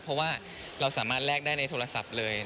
เพราะว่าเราสามารถแลกได้ในโทรศัพท์เลย